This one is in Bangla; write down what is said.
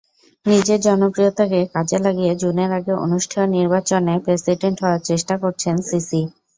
নিজের জনপ্রিয়তাকে কাজে লাগিয়ে জুনের আগে অনুষ্ঠেয় নির্বাচনে প্রেসিডেন্ট হওয়ার চেষ্টা করছেন সিসি।